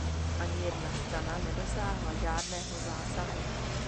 Ani jedna strana nedosáhla žádného zásahu.